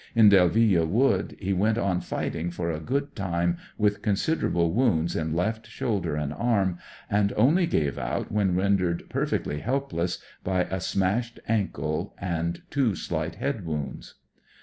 In Delvffle Wood he went on fighting for a long time with considerable wounds in left shoulder and arm, and only gave out when rendered pMfectly helpless by a smashed anlde and two slight head wounds.